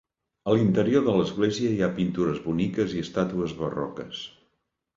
A l'interior de l'església hi ha pintures boniques i estàtues barroques.